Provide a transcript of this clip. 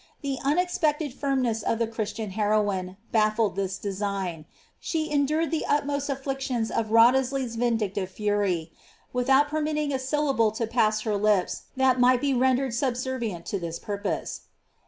The unexpected firmness of the Christian heroine baffled this design; she endured the utmost inflictions of Wriothesley's vindictive fury, without permitting a syllable to pass her lips that might be rendered subservieat u> this purpose.